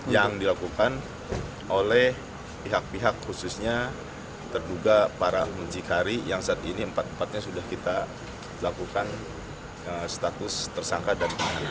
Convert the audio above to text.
yang dilakukan oleh pihak pihak khususnya terduga para muncikari yang saat ini empat empatnya sudah kita lakukan status tersangka dan lain lain